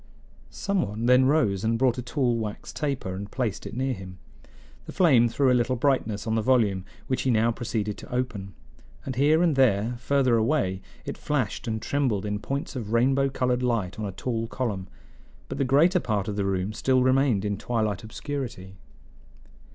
Some one then rose and brought a tall wax taper and placed it near him. The flame threw a little brightness on the volume, which he now proceeded to open; and here and there, further away, it flashed and trembled in points of rainbow colored light on a tall column; but the greater part of the room still remained in twilight obscurity.